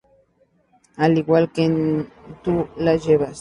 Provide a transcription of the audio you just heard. Al igual que en ¡Tú la llevas!